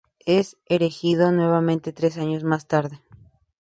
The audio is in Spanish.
Es erigido nuevamente tres años más tarde.